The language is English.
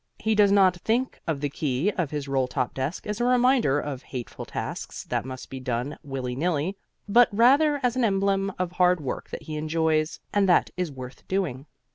He does not think of the key of his roll top desk as a reminder of hateful tasks that must be done willy nilly, but rather as an emblem of hard work that he enjoys and that is worth doing.